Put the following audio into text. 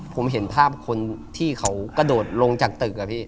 ผมเห็นภาพคนที่เขากระโดดลงจากตึกอะพี่